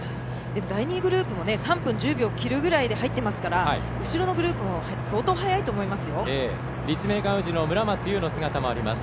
第２グループも３分１０秒を切るぐらいで入っていますから後ろのグループも立命館宇治の村松もいます。